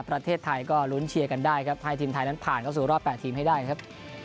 ประเทศไทยก็ลุ้นเชียร์กันได้ครับให้ทีมไทยนั้นผ่านเข้าสู่รอบ๘ทีมให้ได้ครับ